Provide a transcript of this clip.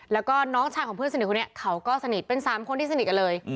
แล้วก็น้องชายของเพื่อนสนิทคนนี้เขาก็สนิทเป็น๓คนที่สนิทกันเลย